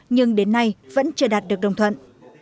nhưng đến nay vẫn chưa đạt được đồng thuận